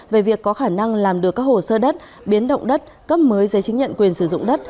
về việc có khả năng làm được các hồ sơ đất biến động đất cấp mới giấy chứng nhận quyền sử dụng đất